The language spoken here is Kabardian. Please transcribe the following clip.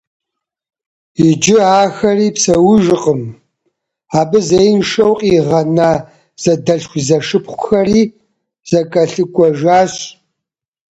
Иджы ахэри псэужкъым, абы зеиншэу къигъэна зэдэлъхузэшыпхъухэри зэкӏэлъыкӏуэжащ.